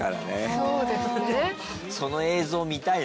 そうですね。